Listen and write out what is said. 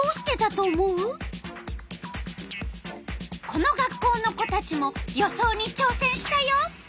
この学校の子たちも予想にちょうせんしたよ。